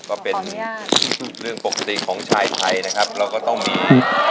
ก็เป็นเรื่องปกติของชายไทยนะครับเราก็ต้องมี